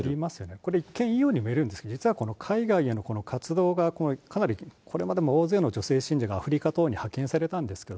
これ、一見いいように、見えるんですけど、海外のこの活動がかなり、これまでも大勢の女性信者がアフリカ等に派遣されたんですけど。